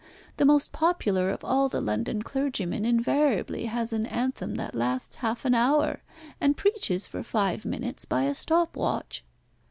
The most popular of all the London clergymen invariably has an anthem that lasts half an hour, and preaches for five minutes by a stop watch."